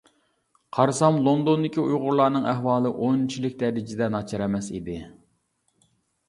قارىسام لوندوندىكى ئۇيغۇرلارنىڭ ئەھۋالى ئۇنچىلىك دەرىجىدە ناچار ئەمەس ئىدى.